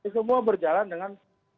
semua berjalan dengan